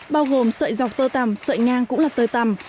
bao gồm sợi dọc tơ tằm sợi ngang cũng là tơi tằm